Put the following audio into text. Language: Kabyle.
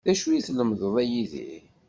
D acu i tlemdeḍ a Yidir?